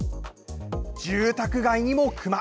住宅街にもクマ。